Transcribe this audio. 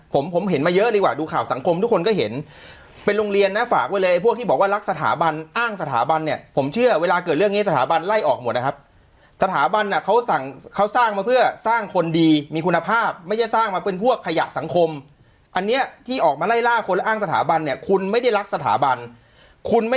ผมผมเห็นมาเยอะดีกว่าดูข่าวสังคมทุกคนก็เห็นเป็นโรงเรียนนะฝากไว้เลยไอ้พวกที่บอกว่ารักสถาบันอ้างสถาบันเนี่ยผมเชื่อเวลาเกิดเรื่องนี้สถาบันไล่ออกหมดนะครับสถาบันน่ะเขาสั่งเขาสร้างมาเพื่อสร้างคนดีมีคุณภาพไม่ใช่สร้างมาเป็นพวกขยะสังคมอันเนี้ยที่ออกมาไล่ล่าคนและอ้างสถาบันเนี่ยคุณไม่ได้รักสถาบันคุณไม่